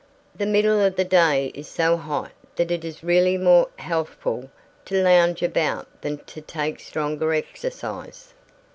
The middle of the day is so hot that it is really more healthful to lounge about than to take stronger exercise.'